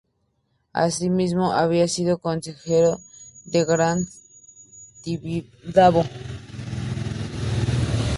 Asimismo, había sido consejero de Grand Tibidabo.